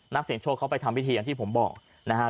นักเสียงโชคเขาไปทำพิธีอย่างที่ผมบอกนะฮะ